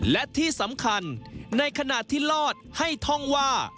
และที่สำคัญในขณะที่รอดให้ท่องว่า